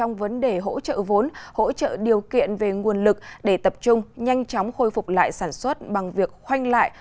nợ vốn hỗ trợ điều kiện về nguồn lực để tập trung nhanh chóng khôi phục lại sản xuất bằng việc khoanh lại